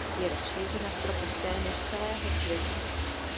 Je rozšířena v tropech téměř celého světa.